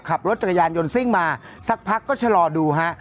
ขับรถจักรยานยนต์ซิ่งมาสักพักก็ชะลอดูฮะ